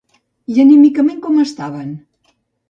I anímicament com estaven?